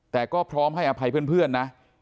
แต่ก็พร้อมให้อภัยเพื่อนนะ